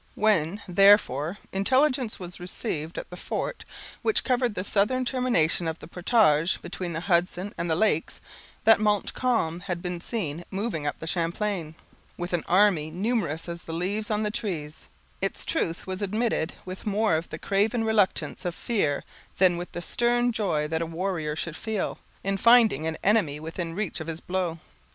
When, therefore, intelligence was received at the fort which covered the southern termination of the portage between the Hudson and the lakes, that Montcalm had been seen moving up the Champlain, with an army "numerous as the leaves on the trees," its truth was admitted with more of the craven reluctance of fear than with the stern joy that a warrior should feel, in finding an enemy within reach of his blow.